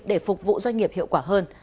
để phục vụ doanh nghiệp hiệu quả hơn